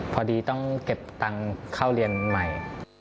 พอดีต้องเก็บตังค์เข้าเรียนใหม่